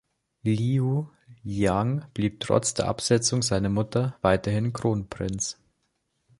Liu Jiang blieb trotz der Absetzung seiner Mutter weiterhin Kronprinz.